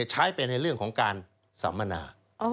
ใช้ไปในเรื่องของการสัมมนา